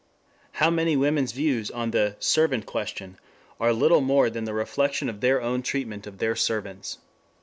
How many women's views on the "servant question" are little more than the reflection of their own treatment of their servants?